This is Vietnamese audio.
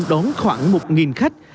đón khoảng một khách